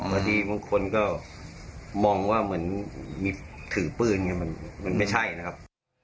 บางทีบางคนก็มองว่าเหมือนมีถือปืนมันไม่ใช่นะครับ